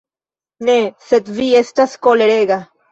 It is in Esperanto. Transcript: Ne, sed vi estas kolerega.